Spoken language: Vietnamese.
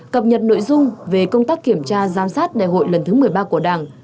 cập nhật nội dung về công tác kiểm tra giám sát đại hội lần thứ một mươi ba của đảng